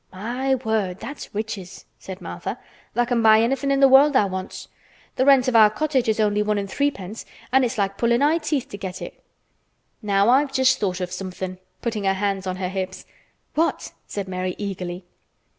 "My word! that's riches," said Martha. "Tha' can buy anything in th' world tha' wants. Th' rent of our cottage is only one an' threepence an' it's like pullin' eye teeth to get it. Now I've just thought of somethin'," putting her hands on her hips. "What?" said Mary eagerly.